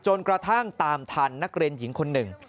จนกระทั่งตามทันนักเรียนหญิงคนหนึ่ง